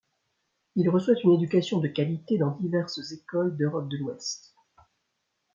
Il reçoit une éducation de qualité dans diverses écoles d'Europe de l'ouest.